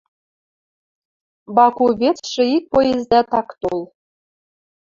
Баку вецшӹ ик поездӓт ак тол.